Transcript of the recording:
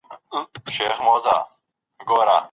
هغه سړی چې سګرټ یې وغورځاوه په خپل کار پښېمانه نه و.